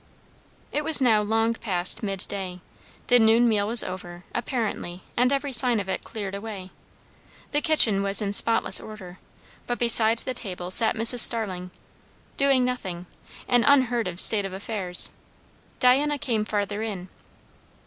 It was now long past mid day. The noon meal was over, apparently, and every sign of it cleared away. The kitchen was in spotless order; but beside the table sat Mrs. Starling, doing nothing; an unheard of state of affairs. Diana came farther in.